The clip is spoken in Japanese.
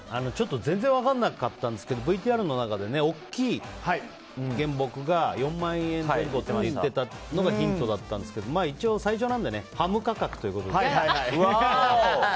全然分からなかったんですけどＶＴＲの中で大きい原木が４万円前後と言っていたのがヒントだったんですけど一応最初なのでねワオ！